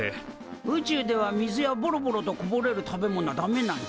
宇宙では水やボロボロとこぼれる食べ物はダメなんじゃ。